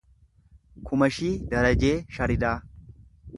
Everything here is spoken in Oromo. Kumashii Darajee Sharidaa